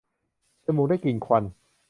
จมูกได้กลิ่นควัน